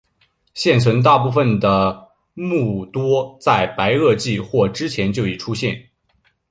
现存大部分的目多在白垩纪或之前就已出现。